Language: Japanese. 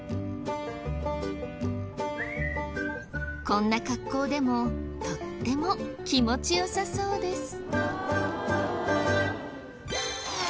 こんな格好でもとっても気持ち良さそうです。